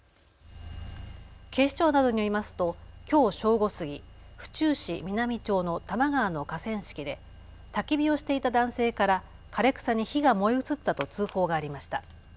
警視庁などによりますときょう正午過ぎ、府中市南町の多摩川の河川敷でたき火をしていた男性から枯れ草に火が燃え移ったと通報がありました。